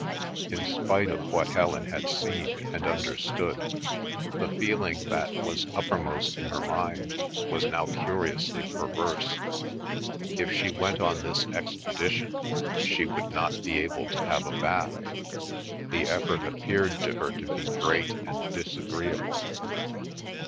In spite of what Helen had seen and understood, the feeling that was uppermost in her mind was now curiously perverse; if she went on this expedition, she would not be able to have a bath, the effort appeared to her to be great and disagreeable.